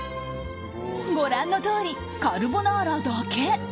ご覧のとおり、カルボナーラだけ。